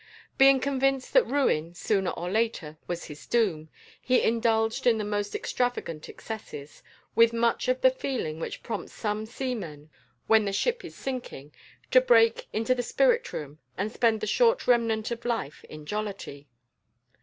Being convinced that ruin, sooner or later, was his doom, he indulged in the most extravagant excesses, with much of the feeling which prompts some seamen, when the ship is sinking, to break into the spirit room and spend the short remnant of life in jollity.